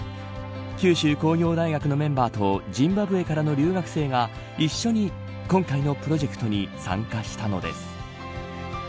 九州工業大学のメンバーとジンバブエからの留学生が一緒に今回のプロジェクトに参加したのです。